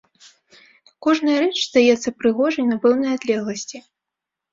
Кожная рэч здаецца прыгожай на пэўнай адлегласці.